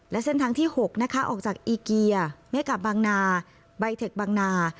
และเส้นทางที่๖นะคะออกจากอีเกียไม่กลับบางนาใบเทคบางนา